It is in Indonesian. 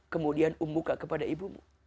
kemudian ummuka kepada ibumu